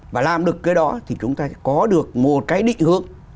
và làm được cái đó thì chúng ta sẽ có được một cái định hướng